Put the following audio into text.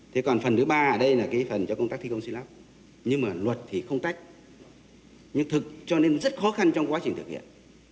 thế còn phần thứ ba ở đây là cái phần cho công tác thi công xây lắp nhưng mà luật thì không tách nhưng thực cho nên rất khó khăn trong quá trình thực hiện